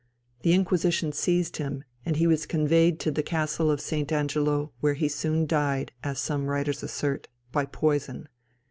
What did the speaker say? The Inquisition seized him, and he was conveyed to the Castle of St. Angelo, where he soon died, as some writers assert, by poison.